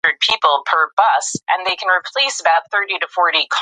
احمدشاه بابا د یو لوی امپراتور په توګه پاتې شو.